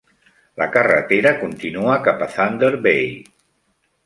La carretera continua cap a Thunder Bay.